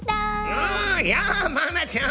あやあ愛菜ちゃん。